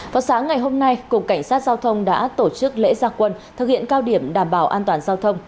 vào sáng ngày hôm nay cục cảnh sát giao thông đã tổ chức lễ gia quân thực hiện cao điểm đảm bảo an toàn giao thông